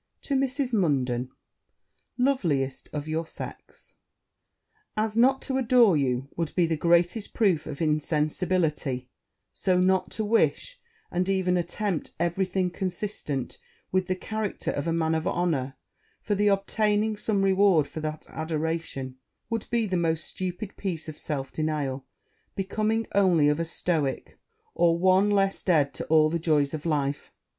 'To Mrs. Munden. Loveliest of your sex, As not to adore you would be the greatest proof of insensibility, so not to wish, and even attempt every thing consistent with the character of a man of honour, for the obtaining some reward for that adoration, would be the most stupid piece of self denial, becoming only of a stoick, or one more dead to all the joys of life.